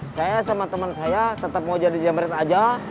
saya sama teman saya tetap mau jadi jember aja